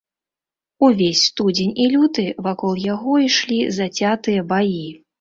Увесь студзень і люты вакол яго ішлі зацятыя баі.